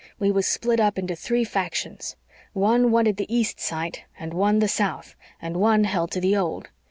We was split up into three factions one wanted the east site and one the south, and one held to the old.